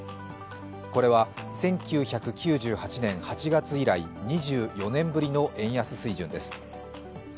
これは１９９８年８月以来、２４年ぶりの円安水準です。